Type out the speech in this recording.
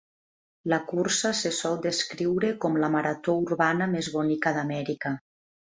La cursa se sol descriure com "la marató urbana més bonica d'Amèrica".